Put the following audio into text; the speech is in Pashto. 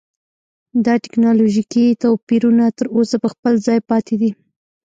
دا ټکنالوژیکي توپیرونه تر اوسه په خپل ځای پاتې دي.